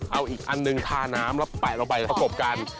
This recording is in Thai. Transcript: เอาอีกอันหนึ่งทาน้ำแล้วแปะลงไปประกบกัน